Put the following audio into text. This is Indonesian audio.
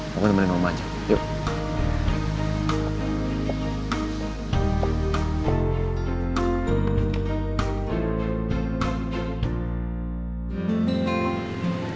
aku akan temanin rumahnya yuk